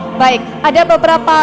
atas bangku baik ada beberapa